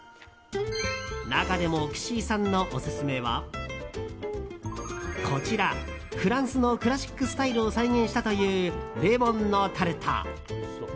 中でも、岸井さんのオススメはこちらフランスのクラシックスタイルを再現したというレモンのタルト。